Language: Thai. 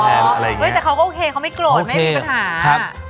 อะไรอย่างเงี้ยเฮ้ยแต่เขาก็โอเคเขาไม่โกรธไม่มีปัญหาครับ